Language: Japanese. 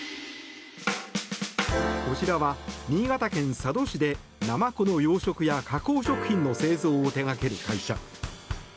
こちらは、新潟県佐渡市でナマコの養殖や加工食品の製造を手掛ける会社。